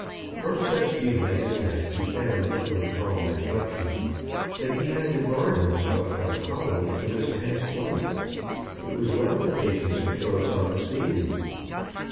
From such delight as that he found, on calm reflection, that he had debarred himself by the folly of his past life. It was well that Patience had come upon the scene.